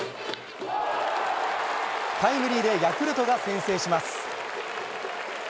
タイムリーでヤクルトが先制します。